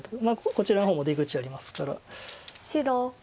こちらの方も出口ありますから。